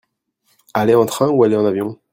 aller en train ou aller en avion.